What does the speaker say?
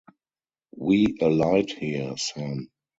We alight here, Sam.